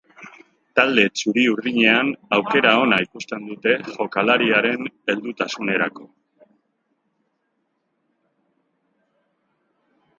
Talde txuri-urdinean aukera ona ikusten dute jokalariaren heldutasunerako.